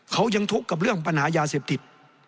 เขายังทุกข์กับเรื่องปัญหายาเสพติด